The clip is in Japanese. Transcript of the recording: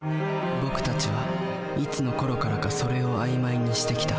僕たちはいつのころからか「それ」を曖昧にしてきた。